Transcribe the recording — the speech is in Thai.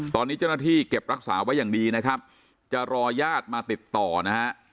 ตอนนี้เจ้าหน้าที่เก็บรักษาไว้อย่างดีนะครับจะรอญาติมาติดต่อนะฮะ